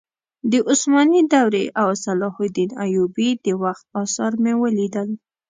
د عثماني دورې او صلاح الدین ایوبي د وخت اثار مې ولیدل.